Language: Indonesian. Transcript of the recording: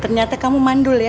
ternyata kamu mandul ya